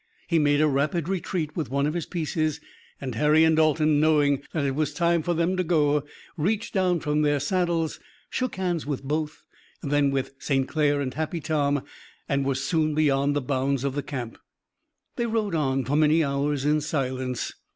He made a rapid retreat with one of his pieces, and Harry and Dalton, knowing that it was time for them to go, reached down from their saddles, shook hands with both, then with St. Clair and Happy Tom, and were soon beyond the bounds of the camp. They rode on for many hours in silence.